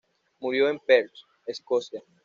Murió en Perth, Escocia.